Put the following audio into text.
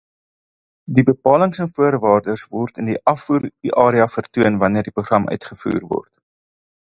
Die bepalings en voorwaardes word in die afvoerarea vertoon wanneer die program uitgevoer word.